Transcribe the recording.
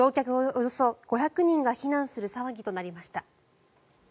およそ５００人が避難する騒ぎとなりました。